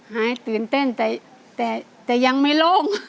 หายตื่นเต้นแต่ยังไม่โล่ง